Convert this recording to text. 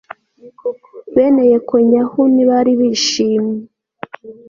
bene yekonyahu ntibari bishimye